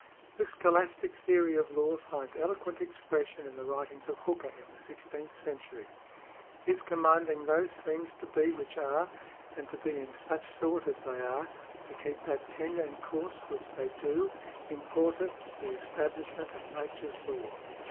This scholastic theory of law finds eloquent expression in the writings of Hooker in the sixteenth century. " His commanding those things to be which are, and to be in such sort as they are, to keep that tenure and course which they do, importeth the establishment of nature's law.